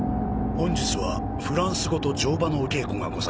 本日はフランス語と乗馬のお稽古がございます。